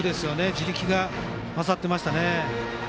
地力が勝っていましたね。